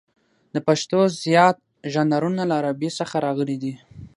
د پښتو زیات ژانرونه له عربي څخه راغلي دي.